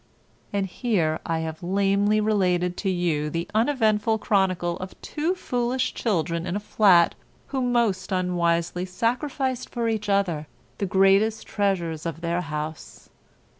And here I have lamely related to you the uneventful chronicle of two foolish children in a flat who most unwisely sacrificed for each other the greatest treasures of their house.